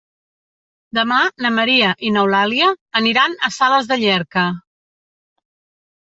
Demà na Maria i n'Eulàlia aniran a Sales de Llierca.